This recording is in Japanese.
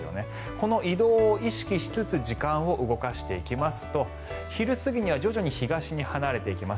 この移動を意識しつつ時間を動かしていきますと昼過ぎには徐々に東に離れていきます。